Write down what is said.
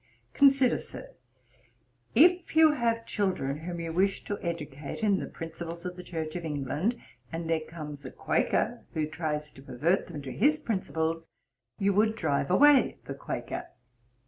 'Consider, Sir; if you have children whom you wish to educate in the principles of the Church of England, and there comes a Quaker who tries to pervert them to his principles, you would drive away the Quaker.